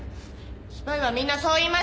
スパイはみんなそう言います！